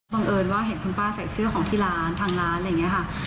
เอิญว่าเห็นคุณป้าใส่เสื้อของที่ร้านทางร้านอะไรอย่างนี้ค่ะ